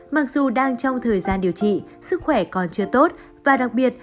mặc dù đang trong thời gian điều trị sức khỏe còn chưa tốt và đặc biệt